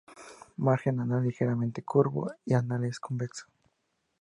Margen anal ligeramente curvo, y anal es convexo.